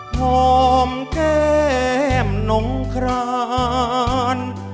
หอมแก้มนงคราน